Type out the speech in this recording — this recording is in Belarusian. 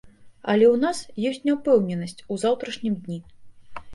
Але ў нас ёсць няўпэўненасць у заўтрашнім дні.